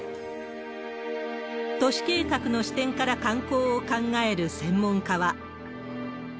都市計画の視点から観光を考える専門家は。